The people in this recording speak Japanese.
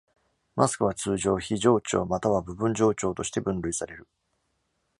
マスクは、通常、非冗長または部分冗長として分類される。